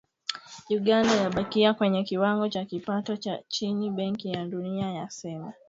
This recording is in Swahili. Uganda yabakia kwenye kiwango cha kipato cha chini Benki ya Dunia yasema